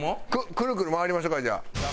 くるくる回りましょうかじゃあ。